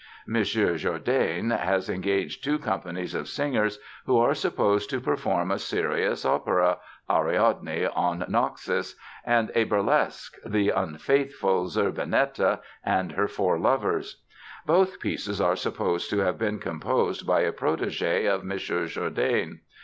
M. Jourdain has engaged two companies of singers who are supposed to perform a serious opera, Ariadne on Naxos, and a burlesque, The Unfaithful Zerbinetta and Her Four Lovers. Both pieces are supposed to have been composed by a protégé of M. Jourdain.